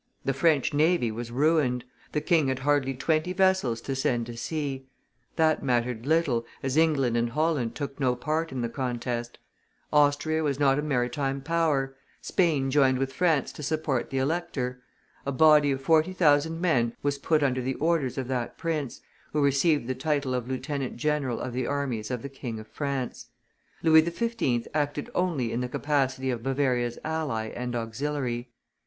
The French navy was ruined, the king had hardly twenty vessels to send to sea; that mattered little, as England and Holland took no part in the contest; Austria was not a maritime power; Spain joined with France to support the elector. A body of forty thousand men was put under the orders of that prince, who received the title of lieutenant general of the armies of the King of France. Louis XV. acted only in the capacity of Bavaria's ally and auxiliary.